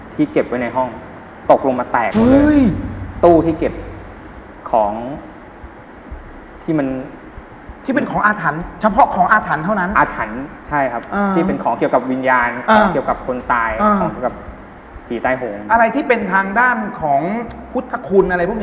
ที่ครั้งด้านของพุทธคุณอะไรพวกนี้ไม่เป็นอะไรครับ